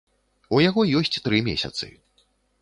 У яго ёсць тры месяцы.